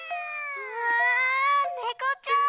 わあねこちゃん！